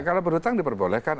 kalau berhutang diperbolehkan